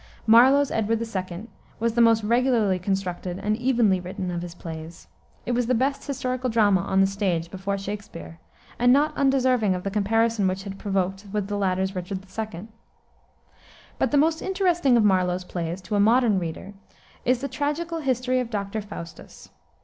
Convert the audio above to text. Marlowe's Edward II. was the most regularly constructed and evenly written of his plays. It was the best historical drama on the stage before Shakspere, and not undeserving of the comparison which it has provoked with the latter's Richard II. But the most interesting of Marlowe's plays, to a modern reader, is the Tragical History of Doctor Faustus.